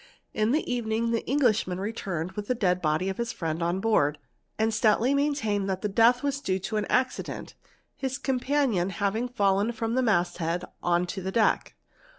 In the evening the Knglishmi returned with the dead body of his friend on board, and stoutly maintai that death was due to an accident, his companion having fallen from 1 mast head on to the deck.